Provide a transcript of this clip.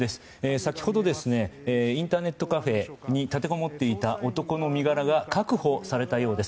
先ほど、インターネットカフェに立てこもっていた男の身柄が確保されたようです。